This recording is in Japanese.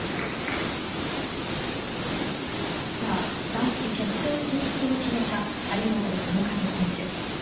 男子決勝進出を決めた張本智和選手。